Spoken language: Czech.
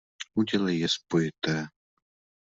Udělej je spojité.